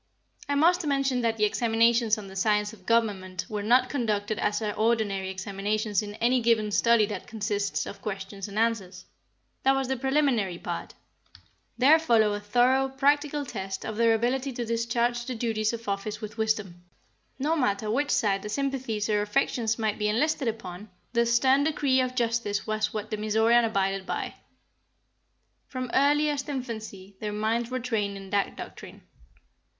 I must mention that the examinations on the science of government were not conducted as are ordinary examinations in any given study that consists of questions and answers. That was the preliminary part. There followed a thorough, practical test of their ability to discharge the duties of office with wisdom. No matter which side the sympathies or affections might be enlisted upon, the stern decree of justice was what the Mizorean abided by. From earliest infancy their minds were trained in that doctrine.